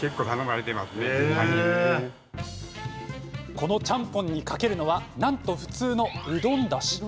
この、ちゃんぽんにかけるのはなんと普通のうどんだし。